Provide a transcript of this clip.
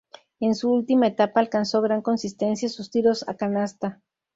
En su última etapa alcanzó gran consistencia en sus tiros a canasta.